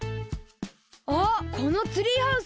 あっこのツリーハウス！